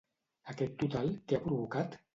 Aquest total, què ha provocat?